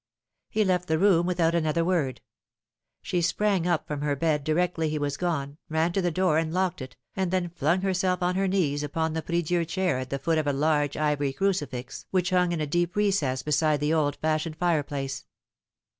He left the room without another word. She sprang up from her bed directly he was gone, ran to the door and locked it, and then flung herself on her knees upon the prie dieu chair at the foot of a large ivory crucifix which hung in a deep recess beside the old fashioned fireplace.